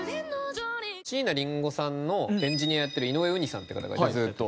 椎名林檎さんのエンジニアをやってる井上うにさんっていう方がいてずっと。